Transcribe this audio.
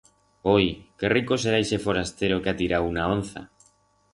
Oi, qué rico será ixe forastero que ha tirau una onza!